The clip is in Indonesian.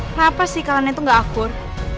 kenapa sih kalian itu gak akur